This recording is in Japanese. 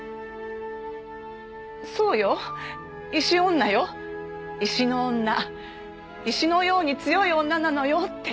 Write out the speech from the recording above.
「そうよ石女よ」「石の女石のように強い女なのよ」って。